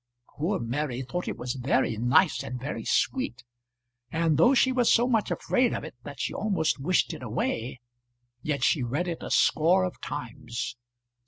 Poor Mary thought it was very nice and very sweet, and though she was so much afraid of it that she almost wished it away, yet she read it a score of times.